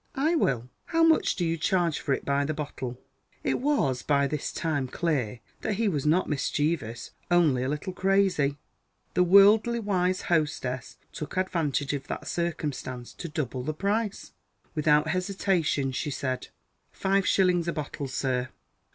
"I will. How much do you charge for it by the bottle?" It was, by this time, clear that he was not mischievous only a little crazy. The worldly wise hostess took advantage of that circumstance to double the price. Without hesitation, she said: "Five shillings a bottle, sir."